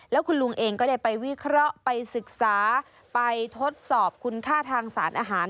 แล้วคุณลุงเองก็ได้ไปวิเคราะห์ไปศึกษาไปทดสอบคุณค่าทางสารอาหาร